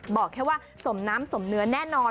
บอกแค่ว่าสมน้ำสมเนื้อแน่นอน